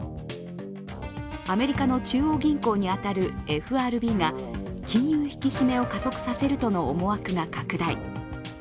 アメリカの中央銀行に当たるＦＲＢが金融引き締めを加速させるとの思惑が拡大。